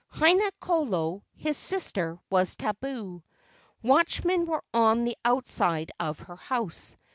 Haina kolo, his sister, was tabu. Watchmen were on the outside of her house.